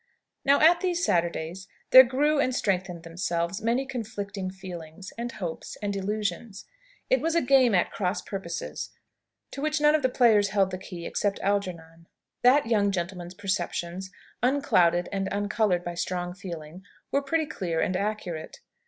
Now, at these Saturdays, there grew and strengthened themselves many conflicting feelings, and hopes, and illusions. It was a game at cross purposes, to which none of the players held the key except Algernon. That young gentleman's perceptions, unclouded and uncoloured by strong feeling, were pretty clear and accurate.